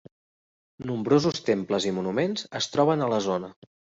Nombrosos temples i monuments es troben a la zona.